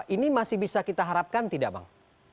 ini masih bisa kita harapkan tidak bang